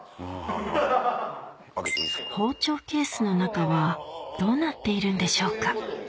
包丁ケースの中はどうなっているんでしょうか？